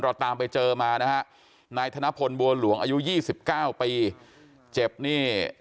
เราตามไปเจอมานะฮะนายธนพลบัวหลวงอายุ๒๙ปีเจ็บนี่